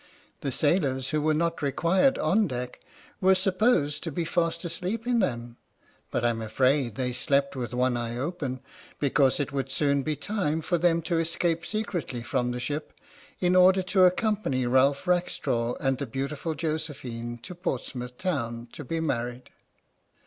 The sailors who were not required on deck were supposed to be fast asleep in them, but I'm afraid they slept with one eye open, because it would soon be time for them to escape secretly from the ship in order to accompany Ralph Rackstraw and the beautiful Josephine to Portsmouth Town to be married.